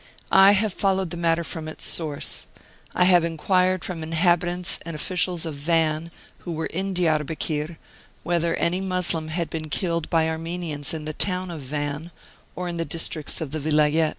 I have followed the matter from its source. I have enquired from inhabitants and officials of Van, who were in Diarbekir, whether any Moslem had been killed by Armenians in the town of Van, or in the districts of the Vilayet.